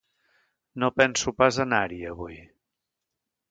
No penso pas anar-hi, avui.